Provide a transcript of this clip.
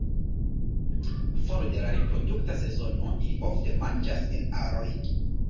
For de la reprodukta sezono ili ofte manĝas en aroj.